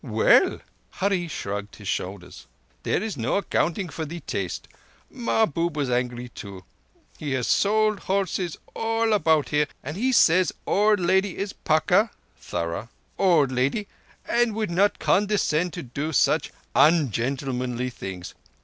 "Well,"—Hurree shrugged his shoulders—"there is no accounting for thee taste. Mahbub was angry too. He has sold horses all about here, and he says old lady is pukka (thorough) old lady and would not condescend to such ungentlemanly things.